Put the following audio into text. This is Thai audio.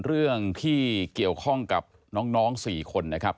เรื่องที่เกี่ยวข้องกับน้อง๔คนนะครับ